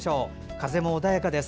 風も穏やかです。